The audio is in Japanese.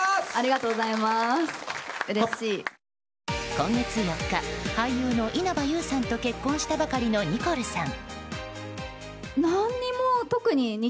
今月４日、俳優の稲葉友さんと結婚したばかりのニコルさん。